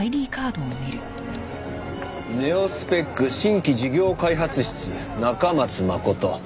「ネオスペック新規事業開発室中松誠」